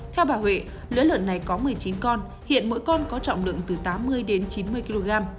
theo bà huệ lứa lợn này có một mươi chín con hiện mỗi con có trọng lượng từ tám mươi đến chín mươi kg